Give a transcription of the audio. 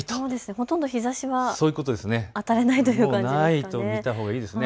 ほとんど日ざしが当たらないという感じですね。